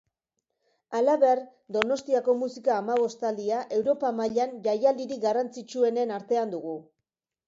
Halaber, Donostiako musika hamabostaldia Europa mailan jaialdirik garrantzitsuenen artean dugu.